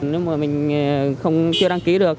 nếu mà mình không chưa đăng ký được